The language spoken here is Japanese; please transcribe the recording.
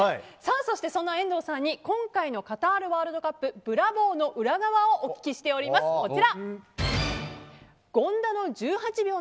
そんな遠藤さんに今回のカタールワールドカップブラボーの裏側をお聞きしております、こちら。